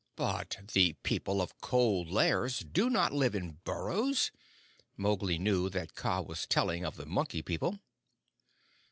"But the people of Cold Lairs do not live in burrows." Mowgli knew that Kaa was talking of the Monkey People.